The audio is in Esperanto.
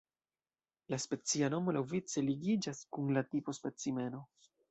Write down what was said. La specia nomo laŭvice ligiĝas kun la tipo-specimeno.